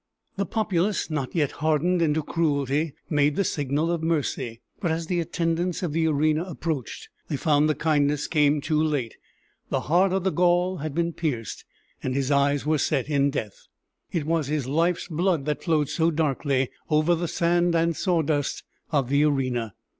The populace, not yet hardened into cruelty, made the signal of mercy: but as the attendants of the arena approached, they found the kindness came too late; the heart of the Gaul had been pierced, and his eyes were set in death. It was his life's blood that flowed so darkly over the sand and sawdust of the arena.